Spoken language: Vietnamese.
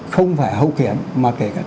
không phải hậu kiểm mà kể cả